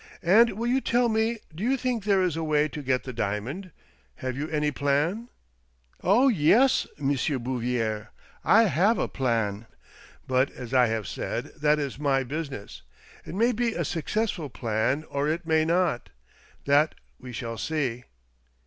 " And will you tell me — do you think there is a way to get the diamond? Have you any plan?" " Oh yes, M. Bouvier, I have a plan. But, as I have said, that is my business. It may be a successful plan, or it may not ; that we shall see.